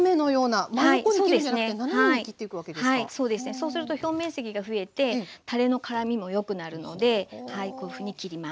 そうすると表面積が増えてたれのからみもよくなるのではいこういうふうに切ります。